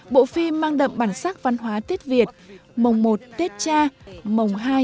bộ phim mang đậm bản sắc văn hóa tết việt mồng một tết cha mồng hai tết mẹ mồng ba tết thầy